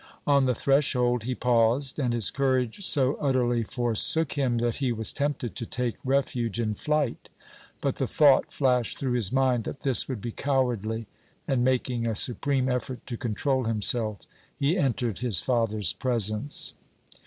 On the threshold he paused, and his courage so utterly forsook him that he was tempted to take refuge in flight, but the thought flashed through his mind that this would be cowardly, and, making a supreme effort to control himself, he entered his father's presence.